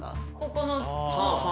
ここの。